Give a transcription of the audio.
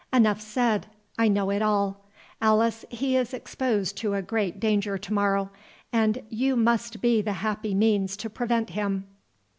"Enough said—I know it all. Alice, he is exposed to a great danger to morrow, and you must be the happy means to prevent him."